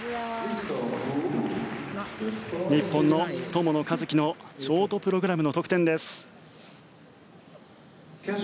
日本の友野一希のショートプログラムの得点です。